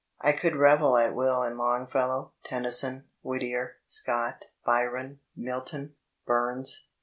I could revel at will in Longfellow, Tennyson, Whitrier, Scott, Byron, Milton, Bums.